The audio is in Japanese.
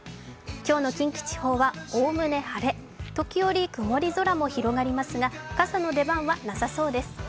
今日の近畿地方はおおむね晴れ、時折曇り空も広がりますが、傘の出番はなさそうです。